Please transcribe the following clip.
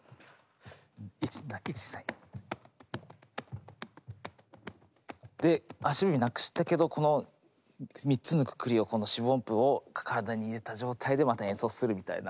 １・２・３・１・２・３。で足踏みなくしたけどこの３つのくくりをこの四分音符を体に入れた状態でまた演奏するみたいな。